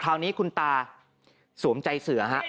คราวนี้คุณตาสวมใจเสือฮะ